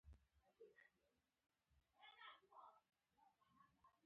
چې په هغې کې وړکتون، ښوونځی، سینما او د کار دفترونه جوړ شول.